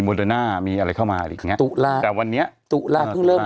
มีมีอะไรเข้ามาด้วยเนี้ยตุฬาแต่วันนี้ตุฬาเพิ่งเริ่ม